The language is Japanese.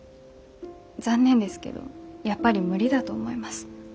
残念ですけどやっぱり無理だと思います。